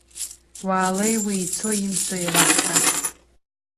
Уаалеи уи ицо, имцо еилаҳкаап.